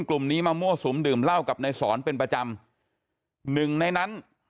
กลุ่มนี้มามั่วสุมดื่มเหล้ากับนายสอนเป็นประจำหนึ่งในนั้น